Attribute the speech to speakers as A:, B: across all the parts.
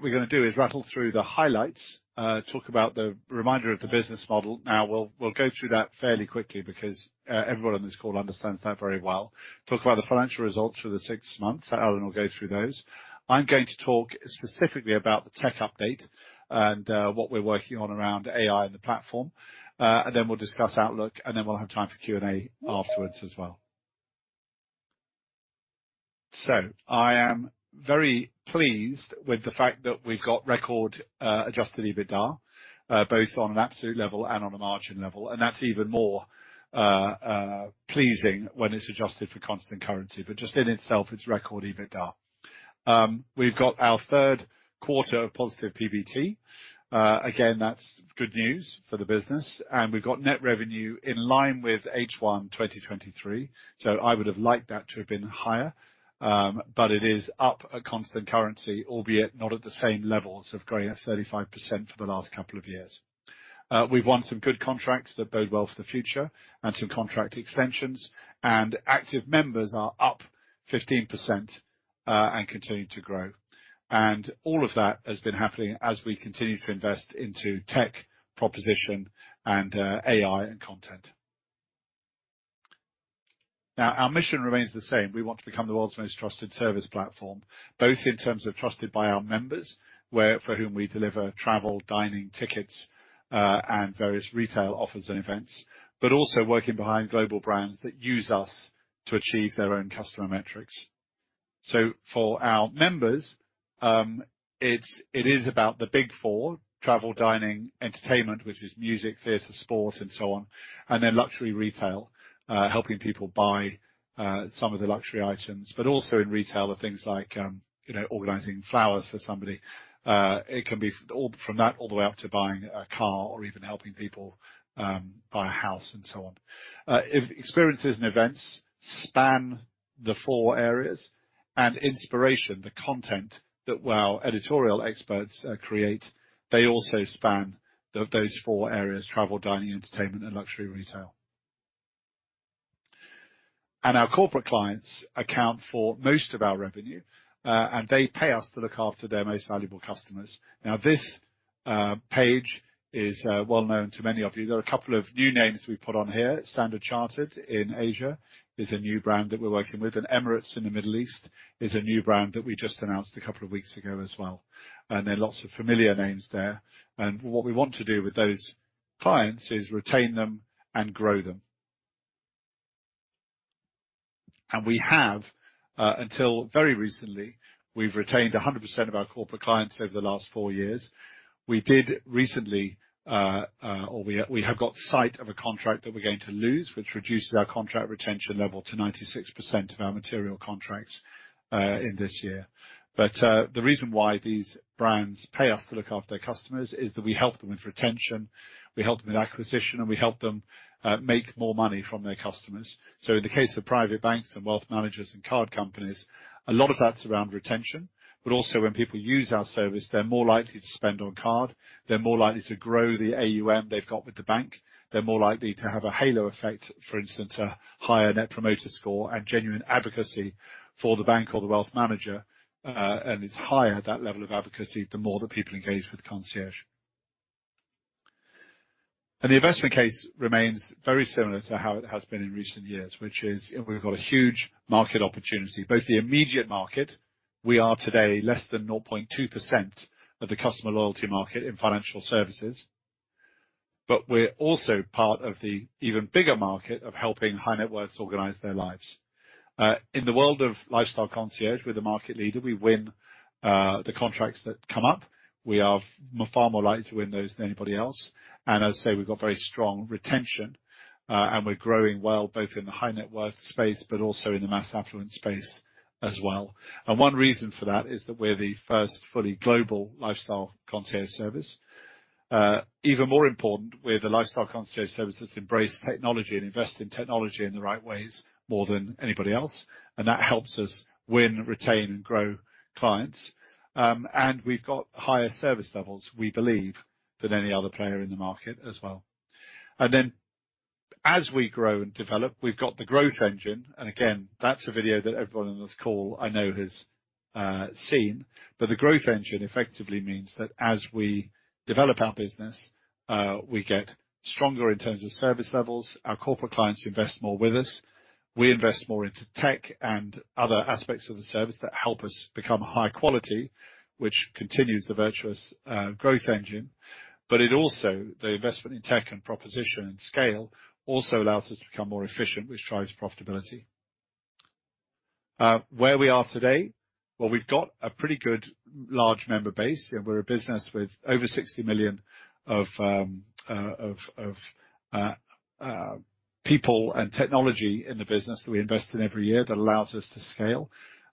A: What we're gonna do is rattle through the highlights, talk about the remainder of the business model. Now, we'll go through that fairly quickly because everyone on this call understands that very well. Talk about the financial results for the six months. Alan will go through those. I'm going to talk specifically about the tech update and what we're working on around AI and the platform. And then we'll discuss outlook, and then we'll have time for Q&A afterwards as well. So I am very pleased with the fact that we've got record Adjusted EBITDA both on an absolute level and on a margin level, and that's even more pleasing when it's adjusted for constant currency. But just in itself, it's record EBITDA. We've got our third quarter of positive PBT. Again, that's good news for the business, and we've got net revenue in line with H1 2023, so I would have liked that to have been higher. But it is up at constant currency, albeit not at the same levels of growing at 35% for the last couple of years. We've won some good contracts that bode well for the future and some contract extensions, and active members are up 15%, and continuing to grow. And all of that has been happening as we continue to invest into tech, proposition, and AI and content. Now, our mission remains the same. We want to become the world's most trusted service platform, both in terms of trusted by our members, where for whom we deliver travel, dining, tickets, and various retail offers and events, but also working behind global brands that use us to achieve their own customer metrics. So for our members, it's, it is about the big four: travel, dining, entertainment, which is music, theater, sport, and so on, and then luxury retail, helping people buy some of the luxury items, but also in retail, the things like, you know, organizing flowers for somebody. It can be all from that all the way up to buying a car or even helping people buy a house and so on. If experiences and events span the four areas, and inspiration, the content that our editorial experts create, they also span those four areas: travel, dining, entertainment, and luxury retail. And our corporate clients account for most of our revenue, and they pay us to look after their most valuable customers. Now, this page is well-known to many of you. There are a couple of new names we've put on here. Standard Chartered in Asia is a new brand that we're working with, and Emirates in the Middle East is a new brand that we just announced a couple of weeks ago as well, and there are lots of familiar names there. And what we want to do with those clients is retain them and grow them. And we have, until very recently, we've retained 100% of our corporate clients over the last four years. We did recently, or we have got sight of a contract that we're going to lose, which reduces our contract retention level to 96% of our material contracts in this year. But the reason why these brands pay us to look after their customers is that we help them with retention, we help them with acquisition, and we help them make more money from their customers. So in the case of private banks and wealth managers and card companies, a lot of that's around retention, but also when people use our service, they're more likely to spend on card, they're more likely to grow the AUM they've got with the bank, they're more likely to have a halo effect, for instance, a higher Net Promoter Score and genuine advocacy for the bank or the wealth manager, and it's higher, that level of advocacy, the more that people engage with concierge. And the investment case remains very similar to how it has been in recent years, which is, we've got a huge market opportunity, both the immediate market. We are today less than 0.2% of the customer loyalty market in financial services, but we're also part of the even bigger market of helping high net worth organize their lives. In the world of lifestyle concierge, we're the market leader. We win the contracts that come up. We are far more likely to win those than anybody else, and as I say, we've got very strong retention, and we're growing well, both in the high net worth space, but also in the mass affluent space as well. One reason for that is that we're the first fully global lifestyle concierge service. Even more important, we're the lifestyle concierge service that's embraced technology and invest in technology in the right ways more than anybody else, and that helps us win, retain, and grow clients. We've got higher service levels, we believe, than any other player in the market as well. As we grow and develop, we've got the growth engine, and again, that's a video that everyone on this call I know has seen. But the growth engine effectively means that as we develop our business, we get stronger in terms of service levels, our corporate clients invest more with us, we invest more into tech and other aspects of the service that help us become high quality, which continues the virtuous growth engine. But it also, the investment in tech and proposition and scale also allows us to become more efficient, which drives profitability. Where we are today, well, we've got a pretty good large member base. You know, we're a business with over 60 million of people and technology in the business that we invest in every year that allows us to scale.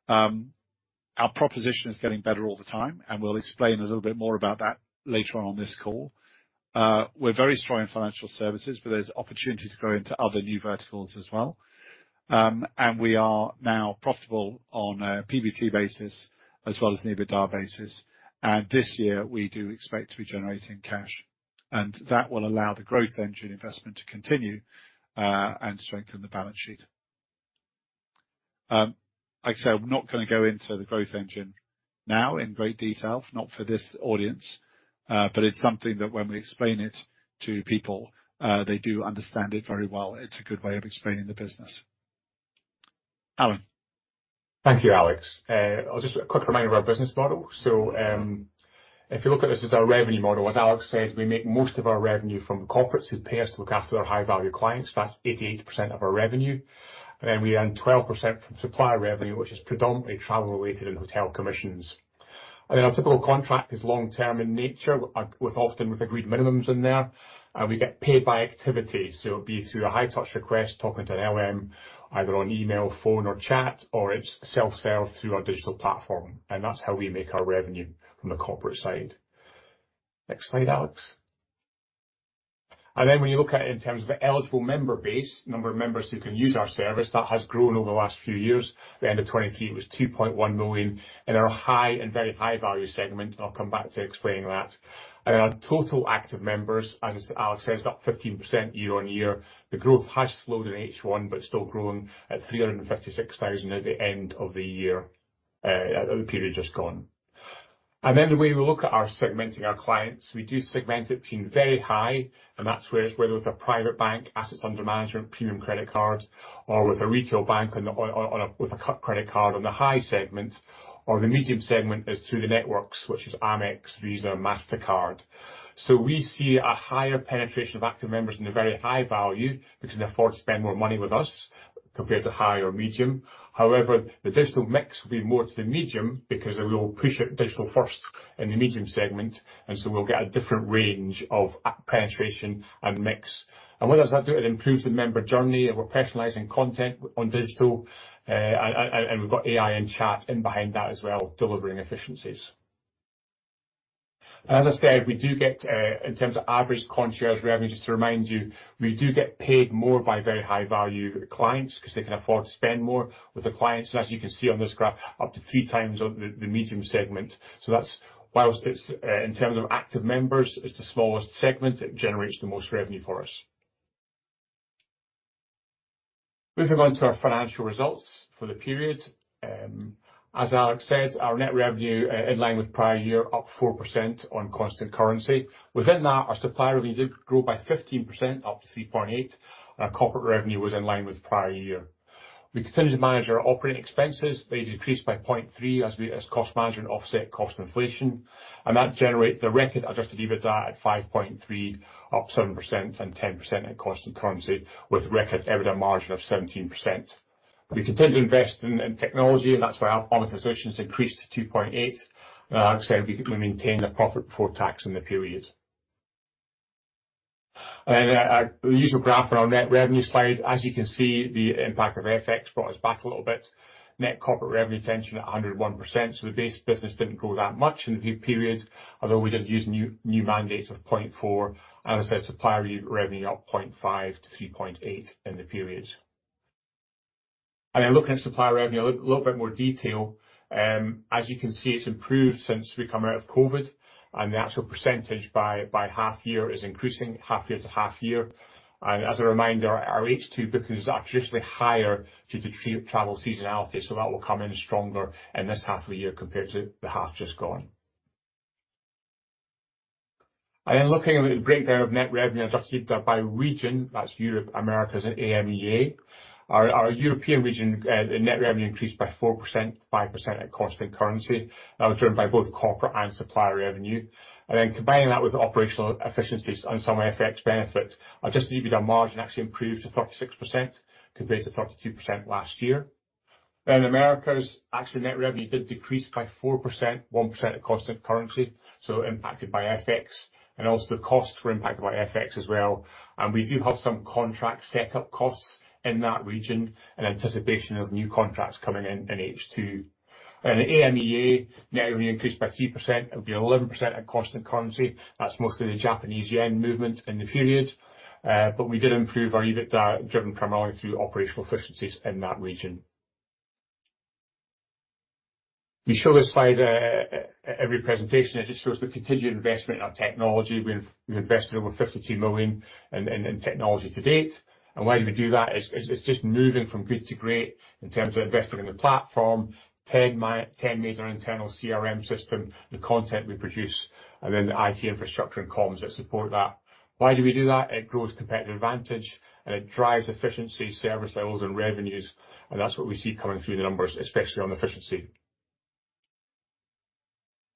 A: Our proposition is getting better all the time, and we'll explain a little bit more about that later on on this call. We're very strong in financial services, but there's opportunity to grow into other new verticals as well. We are now profitable on a PBT basis, as well as an EBITDA basis. This year, we do expect to be generating cash, and that will allow the growth engine investment to continue, and strengthen the balance sheet. Like I said, I'm not gonna go into the growth engine now in great detail, not for this audience, but it's something that when we explain it to people, they do understand it very well. It's a good way of explaining the business. Alan?
B: Thank you, Alex. I'll just give a quick reminder of our business model. So, if you look at this as our revenue model, as Alex said, we make most of our revenue from corporates who pay us to look after their high-value clients. That's 88% of our revenue. And then we earn 12% from supplier revenue, which is predominantly travel-related and hotel commissions. And then our typical contract is long-term in nature, with often with agreed minimums in there, and we get paid by activity, so it'll be through a high touch request, talking to an LM, either on email, phone, or chat, or it's self-serve through our digital platform, and that's how we make our revenue from the corporate side. Next slide, Alex. And then, when you look at it in terms of the eligible member base, number of members who can use our service, that has grown over the last few years. At the end of 2023, it was 2.1 million in our high and very high value segment, and I'll come back to explaining that. And our total active members, as Alex said, is up 15% year-on-year. The growth has slowed in H1, but still growing at 356,000 at the end of the year, at the period just gone. And then, the way we look at our segmenting our clients, we do segment it between very high, and that's where, whether with a private bank, assets under management, premium credit card, or with a retail bank on a co-branded credit card on the high segment, or the medium segment is through the networks, which is Amex, Visa, Mastercard. So we see a higher penetration of active members in the very high value because they afford to spend more money with us, compared to high or medium. However, the digital mix will be more to the medium, because then we will push it digital first in the medium segment, and so we'll get a different range of penetration and mix. And what does that do? It improves the member journey, and we're personalizing content on digital, and we've got AI and chat in behind that as well, delivering efficiencies. As I said, we do get, in terms of average concierge revenue, just to remind you, we do get paid more by very high value clients, 'cause they can afford to spend more with the clients. So as you can see on this graph, up to three times the medium segment. So that's, whilst it's, in terms of active members, it's the smallest segment, it generates the most revenue for us. Moving on to our financial results for the period. As Alex said, our net revenue, in line with prior year, up 4% on constant currency. Within that, our supplier revenue did grow by 15%, up to 3.8 million, and our corporate revenue was in line with prior year. We continued to manage our operating expenses. They decreased by 0.3 million as cost management offset cost inflation, and that generated the record adjusted EBITDA at 5.3 million, up 7% and 10% in constant currency, with record EBITDA margin of 17%. We continue to invest in technology, and that's why our organization's increased to 2.8 million. And like I said, we maintained a profit before tax in the period. The usual graph on our net revenue slide. As you can see, the impact of FX brought us back a little bit. Net corporate revenue retention at 101%, so the base business didn't grow that much in the period, although we did use new mandates of 0.4 million. As I said, supplier revenue up 0.5 million-3.8 million in the period. And then, looking at supplier revenue a little bit more detail, as you can see, it's improved since we come out of COVID, and the actual percentage by half year is increasing half year to half year. And as a reminder, our H2 bookings are traditionally higher due to travel seasonality, so that will come in stronger in this half of the year compared to the half just gone. And then, looking at the breakdown of net revenue, adjusted by region, that's Europe, Americas, and AMEA. Our European region net revenue increased by 4%, 5% at constant currency. That was driven by both corporate and supplier revenue. And then, combining that with operational efficiencies and some FX benefit, adjusted EBITDA margin actually improved to 36%, compared to 32% last year. Then, Americas, actual net revenue did decrease by 4%, 1% at constant currency, so impacted by FX, and also the costs were impacted by FX as well. And we do have some contract setup costs in that region in anticipation of new contracts coming in in H2. In AMEA, net revenue increased by 3%, it would be 11% at constant currency. That's mostly the Japanese yen movement in the period. But we did improve our EBITDA, driven primarily through operational efficiencies in that region. We show this slide at every presentation. It just shows the continued investment in our technology. We've invested over 52 million in technology to date. And why do we do that? It's just moving from good to great in terms of investing in the platform, TenMAID internal CRM system, the content we produce, and then the IT infrastructure and comms that support that. Why do we do that? It grows competitive advantage, and it drives efficiency, service levels, and revenues, and that's what we see coming through the numbers, especially on efficiency.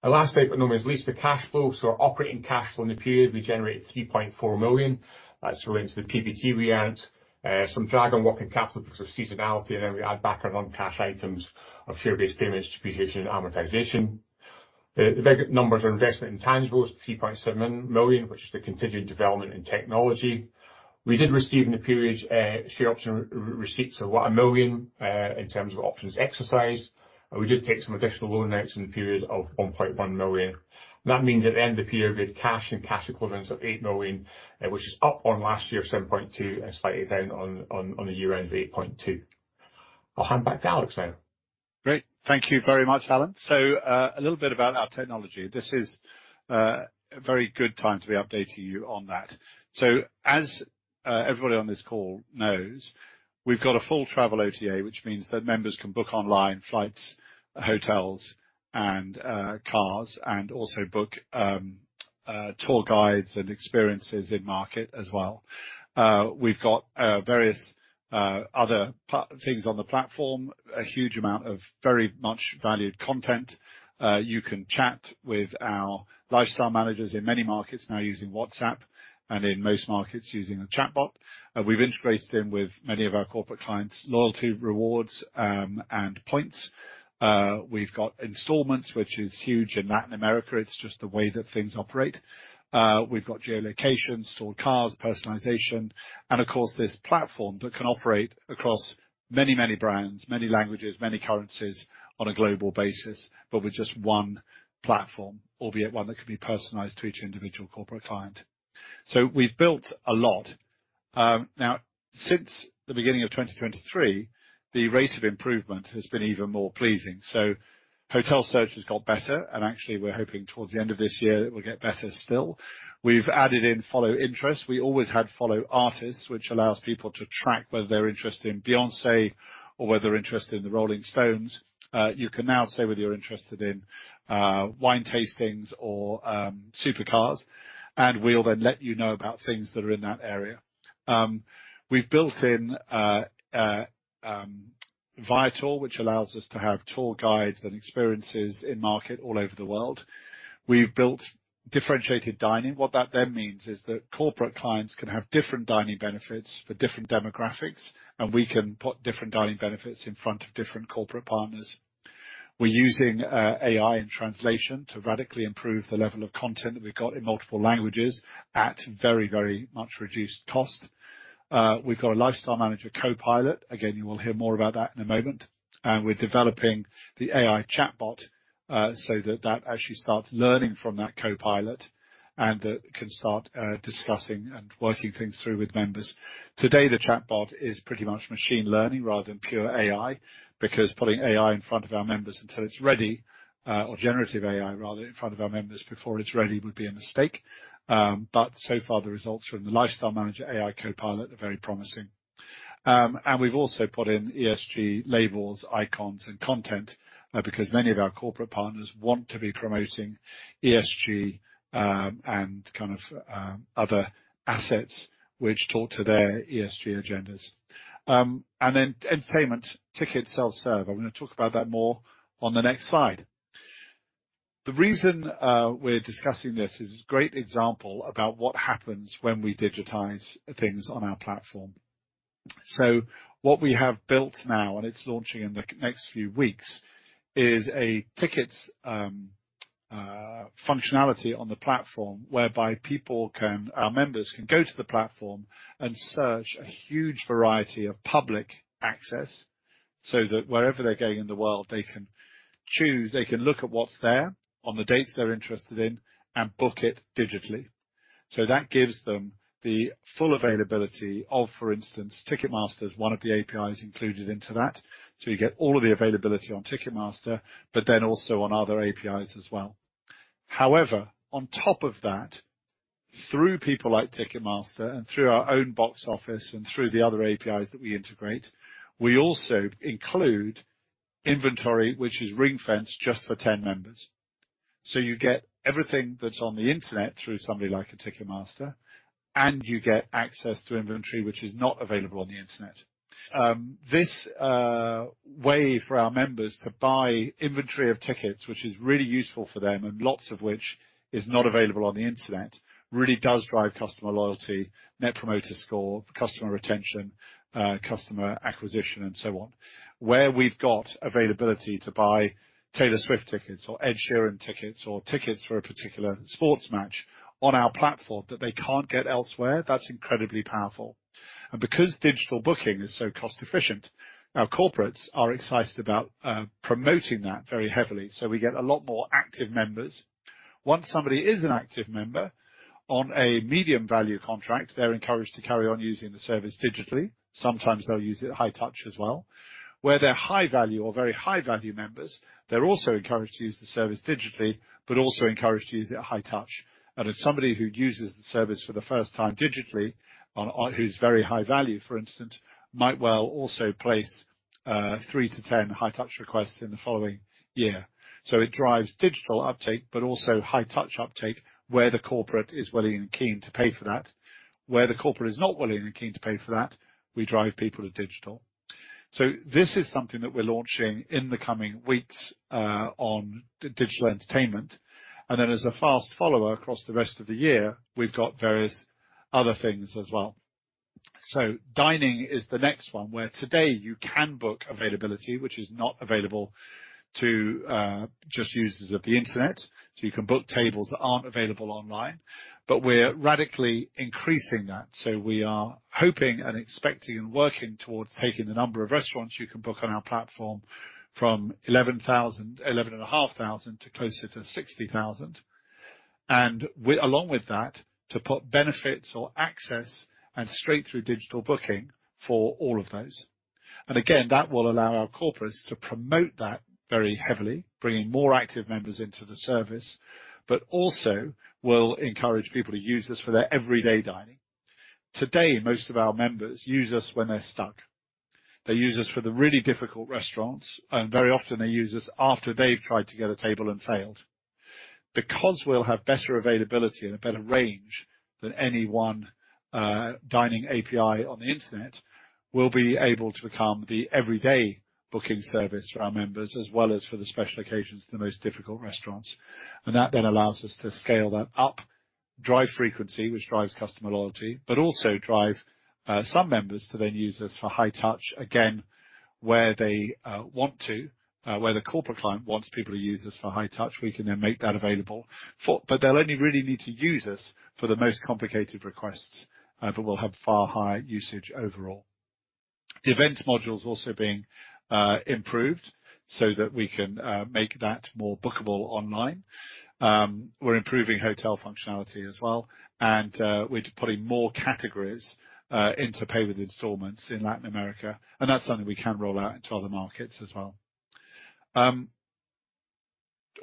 B: Last but not least, the cash flow. So our operating cash flow in the period, we generated 3.4 million. That's related to the PBT we earned. Some drag on working capital because of seasonality, and then we add back our non-cash items of share-based payments, depreciation, and amortization. The big numbers are investment in tangibles, 3.7 million, which is the continued development in technology. We did receive in the period, share option receipts of 1 million, in terms of options exercised, and we did take some additional loan notes in the period of 1.1 million. That means at the end of the period, we had cash and cash equivalents of 8 million, which is up from last year, 7.2 million, and slightly down on the year end of 8.2 million. I'll hand back to Alex now.
A: Great. Thank you very much, Alan. So, a little bit about our technology. This is a very good time to be updating you on that. So as everybody on this call knows, we've got a full travel OTA, which means that members can book online, flights, hotels, and cars, and also book tour guides and experiences in-market as well. We've got various other things on the platform, a huge amount of very much valued content. You can chat with our lifestyle managers in many markets now using WhatsApp, and in most markets, using the chatbot. And we've integrated in with many of our corporate clients' loyalty, rewards, and points. We've got installments, which is huge in Latin America. It's just the way that things operate. We've got geo-locations or cars, personalization, and of course, this platform that can operate across many, many brands, many languages, many currencies on a global basis, but with just one platform, albeit one that can be personalized to each individual corporate client. So we've built a lot. Now, since the beginning of 2023, the rate of improvement has been even more pleasing. So hotel search has got better, and actually, we're hoping towards the end of this year, it will get better still. We've added in Follow Interest. We always had Follow Artists, which allows people to track whether they're interested in Beyoncé or whether they're interested in The Rolling Stones. You can now say whether you're interested in wine tastings or supercars, and we'll then let you know about things that are in that area. We've built in Viator, which allows us to have tour guides and experiences in-market all over the world. We've built differentiated dining. What that then means is that corporate clients can have different dining benefits for different demographics, and we can put different dining benefits in front of different corporate partners. We're using AI in translation to radically improve the level of content that we've got in multiple languages at very, very much reduced cost. We've got a Lifestyle Manager Copilot. Again, you will hear more about that in a moment. And we're developing the AI chatbot, so that that actually starts learning from that Copilot and that can start discussing and working things through with members. Today, the chatbot is pretty much machine learning rather than pure AI, because putting AI in front of our members until it's ready, or generative AI rather, in front of our members before it's ready, would be a mistake. But so far, the results from the lifestyle manager, AI Copilot, are very promising. And we've also put in ESG labels, icons, and content, because many of our corporate partners want to be promoting ESG, and kind of, other assets which talk to their ESG agendas. And then entertainment, ticket self-serve. I'm gonna talk about that more on the next slide. The reason we're discussing this is a great example about what happens when we digitize things on our platform. So what we have built now, and it's launching in the next few weeks, is a tickets functionality on the platform whereby our members can go to the platform and search a huge variety of public access, so that wherever they're going in the world, they can choose, they can look at what's there on the dates they're interested in and book it digitally. So that gives them the full availability of, for instance, Ticketmaster is one of the APIs included into that. So you get all of the availability on Ticketmaster, but then also on other APIs as well. However, on top of that, through people like Ticketmaster and through our own box office and through the other APIs that we integrate, we also include inventory, which is ring-fence just for Ten members. So you get everything that's on the internet through somebody like a Ticketmaster, and you get access to inventory, which is not available on the internet. This way for our members to buy inventory of tickets, which is really useful for them and lots of which is not available on the internet, really does drive customer loyalty, Net Promoter Score, customer retention, customer acquisition, and so on. Where we've got availability to buy Taylor Swift tickets or Ed Sheeran tickets, or tickets for a particular sports match on our platform that they can't get elsewhere, that's incredibly powerful. And because digital booking is so cost-efficient, our corporates are excited about promoting that very heavily, so we get a lot more active members. Once somebody is an active member on a medium-value contract, they're encouraged to carry on using the service digitally. Sometimes they'll use it high touch as well. Where they're high value or very high-value members, they're also encouraged to use the service digitally, but also encouraged to use it at high touch. And if somebody who uses the service for the first time digitally, one who's very high value, for instance, might well also place 3-10 high touch requests in the following year. So it drives digital uptake, but also high touch uptake where the corporate is willing and keen to pay for that. Where the corporate is not willing and keen to pay for that, we drive people to digital. So this is something that we're launching in the coming weeks, on digital entertainment. And then as a fast follower across the rest of the year, we've got various other things as well. So dining is the next one, where today you can book availability, which is not available to just users of the internet. So you can book tables that aren't available online, but we're radically increasing that. So we are hoping and expecting and working towards taking the number of restaurants you can book on our platform from 11,000, 11,500 to closer to 60,000, and, along with that, to put benefits or access and straight through digital booking for all of those. And again, that will allow our corporates to promote that very heavily, bringing more active members into the service, but also will encourage people to use us for their everyday dining. Today, most of our members use us when they're stuck. They use us for the really difficult restaurants, and very often they use us after they've tried to get a table and failed. Because we'll have better availability and a better range than any one dining API on the internet, we'll be able to become the everyday booking service for our members, as well as for the special occasions, the most difficult restaurants. And that then allows us to scale that up, drive frequency, which drives customer loyalty, but also drive some members to then use us for high touch again, where they want to. Where the corporate client wants people to use us for high touch, we can then make that available for, but they'll only really need to use us for the most complicated requests, but we'll have far higher usage overall. The events module is also being improved so that we can make that more bookable online. We're improving hotel functionality as well, and we're putting more categories into pay with installments in Latin America, and that's something we can roll out into other markets as well.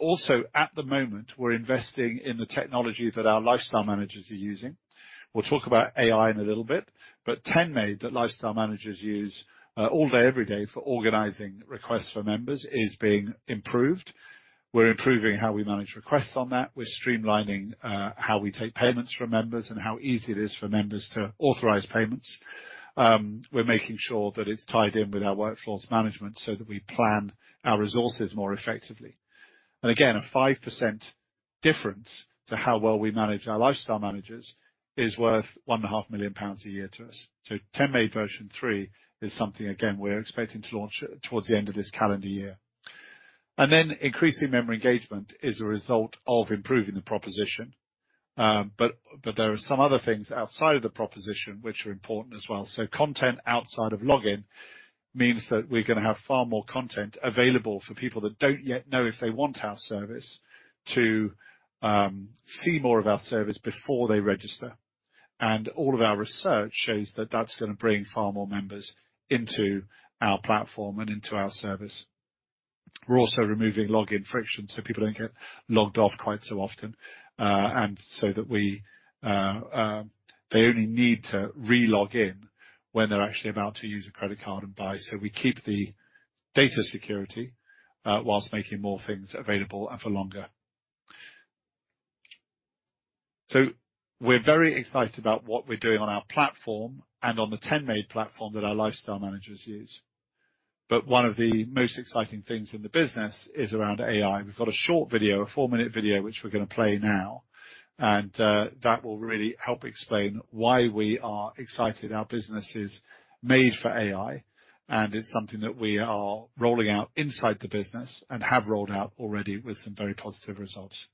A: Also, at the moment, we're investing in the technology that our lifestyle Managers are using. We'll talk about AI in a little bit, but TenMAID that lifestyle Managers use all day, every day for organizing requests for members is being improved. We're improving how we manage requests on that. We're streamlining how we take payments from members and how easy it is for members to authorize payments. We're making sure that it's tied in with our workflows management so that we plan our resources more effectively. Again, a 5% difference to how well we manage our lifestyle managers is worth 1.5 million pounds a year to us. So TenMAID version three is something, again, we're expecting to launch towards the end of this calendar year. And then increasing member engagement is a result of improving the proposition. But there are some other things outside of the proposition which are important as well. So content outside of login means that we're gonna have far more content available for people that don't yet know if they want our service, to see more of our service before they register. And all of our research shows that that's gonna bring far more members into our platform and into our service. We're also removing login friction so people don't get logged off quite so often, and so that they only need to re-log in when they're actually about to use a credit card and buy. So we keep the data security while making more things available and for longer. So we're very excited about what we're doing on our platform and on the TenMAID platform that our lifestyle managers use. But one of the most exciting things in the business is around AI. We've got a short video, a four-minute video, which we're gonna play now, and that will really help explain why we are excited. Our business is made for AI, and it's something that we are rolling out inside the business and have rolled out already with some very positive results.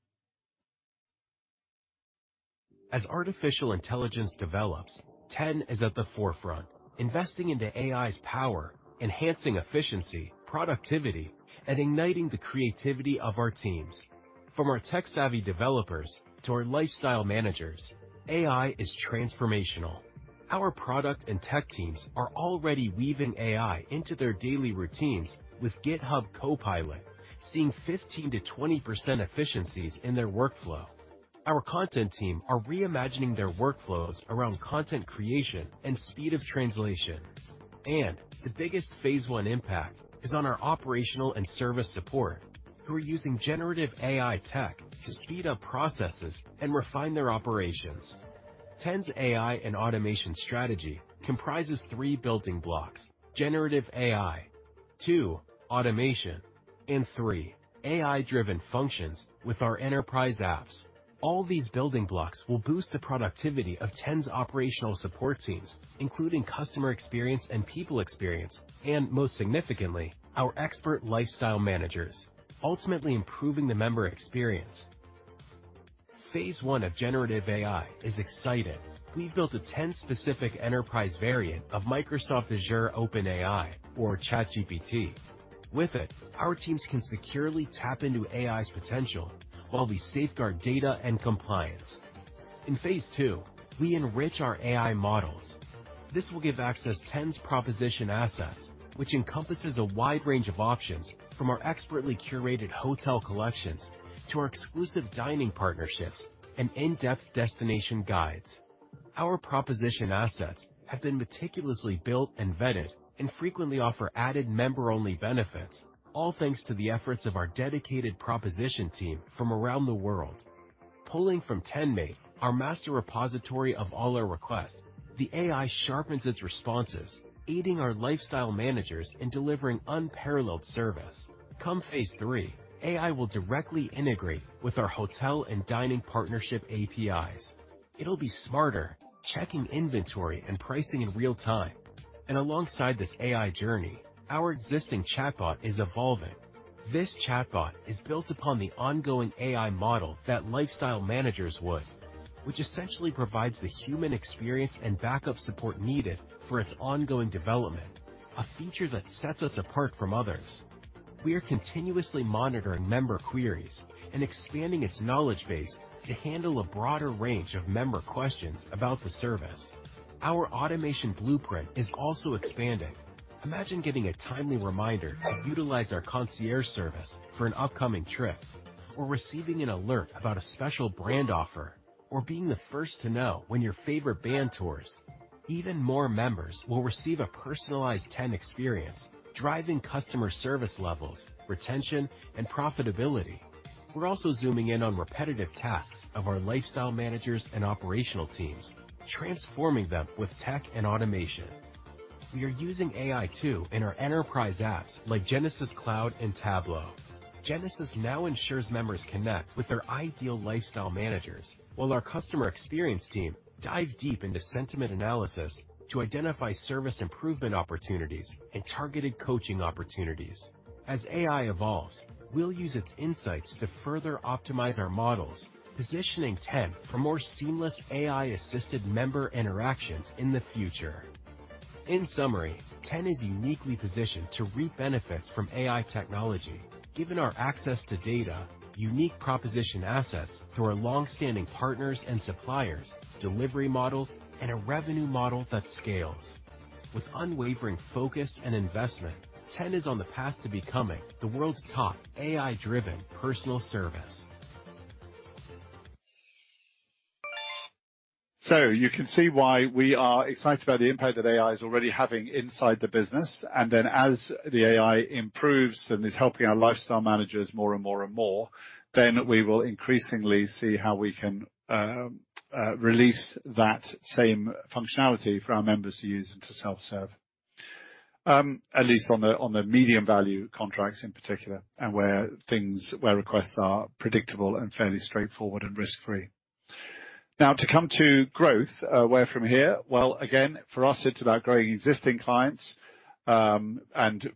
C: As artificial intelligence develops, Ten is at the forefront, investing into AI's power, enhancing efficiency, productivity, and igniting the creativity of our teams. From our tech-savvy developers to our lifestyle managers, AI is transformational. Our product and tech teams are already weaving AI into their daily routines with GitHub Copilot, seeing 15%-20% efficiencies in their workflow. Our content team are reimagining their workflows around content creation and speed of translation. The biggest phase one impact is on our operational and service support, who are using generative AI tech to speed up processes and refine their operations. Ten's AI and automation strategy comprises three building blocks: generative AI, two, automation, and three, AI-driven functions with our enterprise apps. All these building blocks will boost the productivity of Ten's operational support teams, including customer experience and people experience, and most significantly, our expert lifestyle managers, ultimately improving the member experience. Phase one of generative AI is exciting. We've built a Ten-specific enterprise variant of Microsoft Azure OpenAI or ChatGPT. With it, our teams can securely tap into AI's potential while we safeguard data and compliance. In phase two, we enrich our AI models. This will give access Ten's proposition assets, which encompasses a wide range of options, from our expertly curated hotel collections to our exclusive dining partnerships and in-depth destination guides. Our proposition assets have been meticulously built and vetted and frequently offer added member-only benefits, all thanks to the efforts of our dedicated proposition team from around the world. Pulling from TenMAID, our master repository of all our requests, the AI sharpens its responses, aiding our lifestyle managers in delivering unparalleled service. Come phase three, AI will directly integrate with our hotel and dining partnership APIs. It'll be smarter, checking inventory and pricing in real time. And alongside this AI journey, our existing chatbot is evolving. This chatbot is built upon the ongoing AI model that lifestyle managers would, which essentially provides the human experience and backup support needed for its ongoing development, a feature that sets us apart from others. We are continuously monitoring member queries and expanding its knowledge base to handle a broader range of member questions about the service. Our automation blueprint is also expanding. Imagine getting a timely reminder to utilize our concierge service for an upcoming trip, or receiving an alert about a special brand offer, or being the first to know when your favorite band tours. Even more members will receive a personalized Ten experience, driving customer service levels, retention, and profitability. We're also zooming in on repetitive tasks of our lifestyle managers and operational teams, transforming them with tech and automation. We are using AI, too, in our enterprise apps like Genesys Cloud and Tableau. Genesys now ensures members connect with their ideal lifestyle managers, while our customer experience team dive deep into sentiment analysis to identify service improvement opportunities and targeted coaching opportunities. As AI evolves, we'll use its insights to further optimize our models, positioning Ten for more seamless AI-assisted member interactions in the future. In summary, Ten is uniquely positioned to reap benefits from AI technology, given our access to data, unique proposition assets through our long-standing partners and suppliers, delivery model, and a revenue model that scales. With unwavering focus and investment, Ten is on the path to becoming the world's top AI-driven personal service.
A: So you can see why we are excited about the impact that AI is already having inside the business, and then as the AI improves and is helping our lifestyle managers more and more and more, then we will increasingly see how we can release that same functionality for our members to use and to self-serve. At least on the medium value contracts in particular, and where requests are predictable and fairly straightforward and risk-free. Now, to come to growth, where from here? Well, again, for us, it's about growing existing clients, and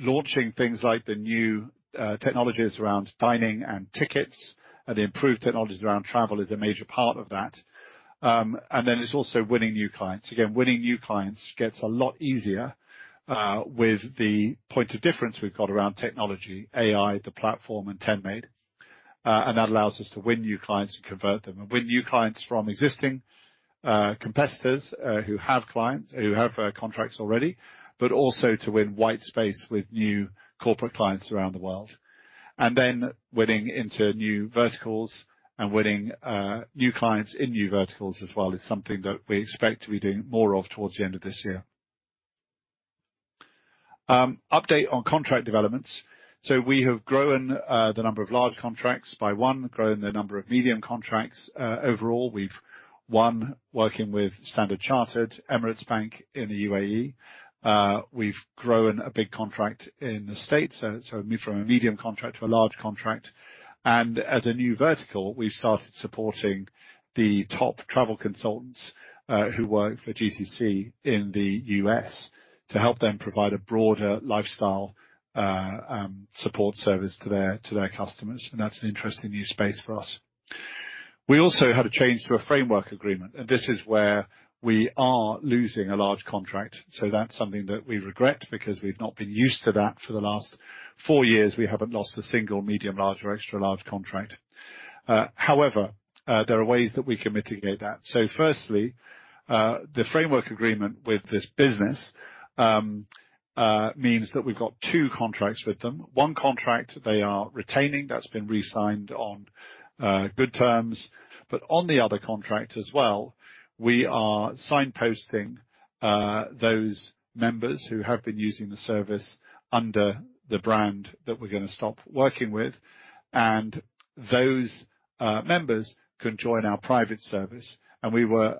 A: launching things like the new technologies around dining and tickets. And the improved technologies around travel is a major part of that. And then it's also winning new clients. Again, winning new clients gets a lot easier, with the point of difference we've got around technology, AI, the platform, and TenMAID. And that allows us to win new clients and convert them, and win new clients from existing, competitors, who have clients, who have, contracts already, but also to win white space with new corporate clients around the world. And then winning into new verticals and winning, new clients in new verticals as well, is something that we expect to be doing more of towards the end of this year. Update on contract developments. So we have grown, the number of large contracts by one, grown the number of medium contracts. Overall, we've won working with Standard Chartered, Emirates NBD in the U.A.E. We've grown a big contract in the States, so moved from a medium contract to a large contract. And as a new vertical, we've started supporting the top travel consultants who work for GTC in the U.S. to help them provide a broader lifestyle support service to their customers, and that's an interesting new space for us. We also had a change to a framework agreement, and this is where we are losing a large contract, so that's something that we regret because we've not been used to that. For the last four years, we haven't lost a single medium, large, or extra large contract. However, there are ways that we can mitigate that. So firstly, the framework agreement with this business means that we've got two contracts with them. One contract they are retaining, that's been re-signed on good terms. But on the other contract as well, we are signposting those members who have been using the service under the brand that we're gonna stop working with, and those members can join our private service, and we were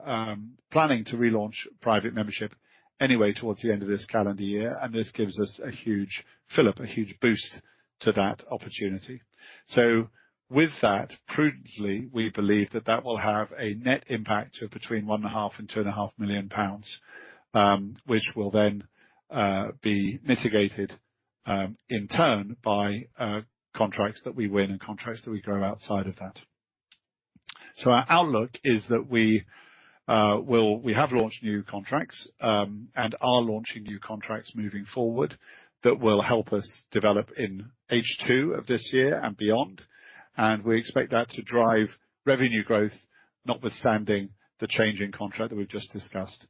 A: planning to relaunch private membership anyway towards the end of this calendar year, and this gives us a huge fillip, a huge boost to that opportunity. So with that, prudent, we believe that that will have a net impact of between 1.5 million pounds and GBP 2.5 million, which will then be mitigated in turn by contracts that we win and contracts that we grow outside of that. So our outlook is that we have launched new contracts and are launching new contracts moving forward that will help us develop in H2 of this year and beyond. We expect that to drive revenue growth, notwithstanding the change in contract that we've just discussed.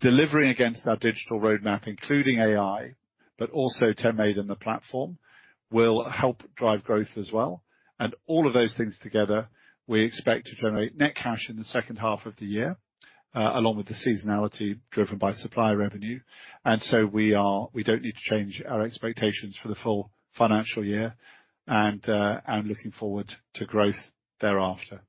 A: Delivering against our digital roadmap, including AI, but also TenMAID and the platform, will help drive growth as well. All of those things together, we expect to generate net cash in the second half of the year, along with the seasonality driven by supplier revenue. So we don't need to change our expectations for the full financial year and looking forward to growth thereafter.